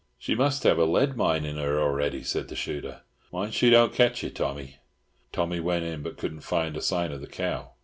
"She must have a lead mine in her already," said the shooter. "Mind she don't ketch you, Tommy." Tommy went in, but couldn't find a sign of the cow.